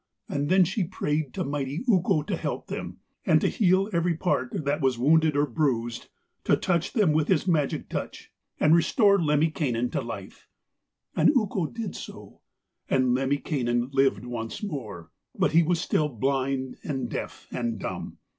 And then she prayed to the mighty Ukko to help them, and to heal every part that was wounded or bruised, to touch them with his magic touch, and restore Lemminkainen to life. And Ukko did so, and Lemminkainen lived once more, but he was still blind and deaf and dumb.